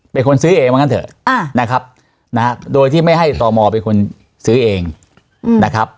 เป็นคนซื้อเองว่างั้นเถอะนะครับนะฮะโดยที่ไม่ให้ต่อมอลเป็นคนซื้อเองนะครับ